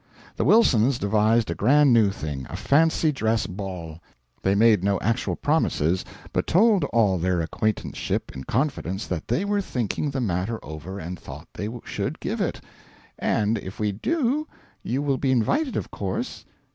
The Wilsons devised a grand new thing a fancy dress ball. They made no actual promises, but told all their acquaintanceship in confidence that they were thinking the matter over and thought they should give it "and if we do, you will be invited, of course."